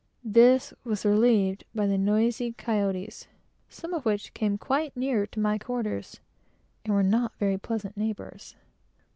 This was relieved by the noisy coati, some of which came quite near to my quarters, and were not very pleasant neighbors.